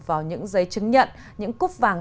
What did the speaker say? vào những giấy chứng nhận những cúp vàng